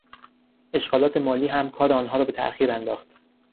اشکالات مالی هم کار آنها را به تاءخیر انداخت.